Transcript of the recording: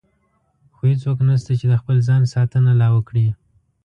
خو هېڅوک نشته چې د خپل ځان ساتنه لا وکړي.